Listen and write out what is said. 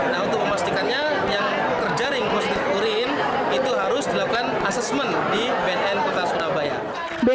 nah untuk memastikannya yang terjaring positif urin itu harus dilakukan asesmen di bnn kota surabaya